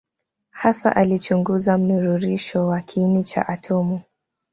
Hasa alichunguza mnururisho wa kiini cha atomu.